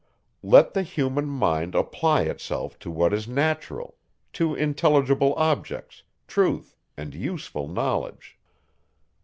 Let the human mind apply itself to what is natural, to intelligible objects, truth, and useful knowledge.